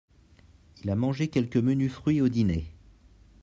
Il a mangé quelques menus fruits au dîner.